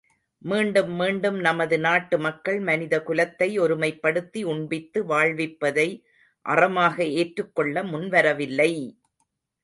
மீண்டும் மீண்டும் நமது நாட்டு மக்கள் மனித குலத்தை ஒருமைப்படுத்தி உண்பித்து வாழ்விப்பதை அறமாக ஏற்றுக் கொள்ள முன்வரவில்லை!